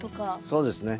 そうですね。